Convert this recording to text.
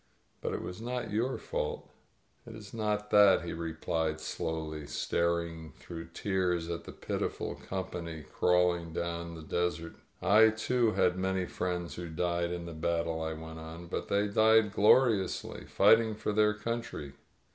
But it was not your fault.'' ]/••, "It is not that," he replied slowly, staring throt^fa* tears at the pitiful company crawling down from the^^' desert. '^.•' I, too, had many friends who died in the battle,'' *.'* I went on. "But they died gloriously, fighting for their country."